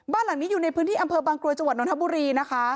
บ้านหลังนี้อยู่ในพื้นที่อำเภอบางกรวยจังหวัดนทบุรีนะคะ